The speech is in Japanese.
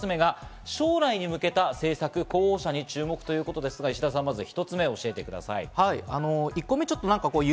２つ目は将来に向けた政策・候補者に注目ということですが、石田さん、１つ目を教えてください。